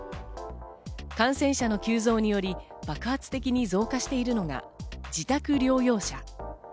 感染者の急増により爆発的に増加しているのが自宅療養者。